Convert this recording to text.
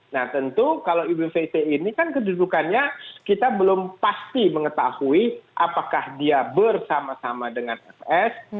nah tentu kalau ibu vt ini kan kedudukannya kita belum pasti mengetahui apakah dia bersama sama dengan fs